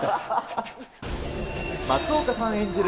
松岡さん演じる